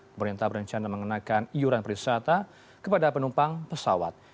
pemerintah berencana mengenakan iuran perwisata kepada penumpang pesawat